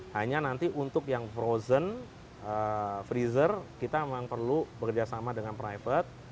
hanya nanti untuk yang frozen freezer kita memang perlu bekerjasama dengan private